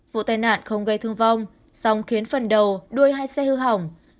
vụ tai nạn không gây thương vong song khiến phần đầu đuôi hai xe hư hỏng